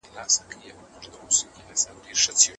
د ښارونو دباندې ژوند ډېر سخت دی.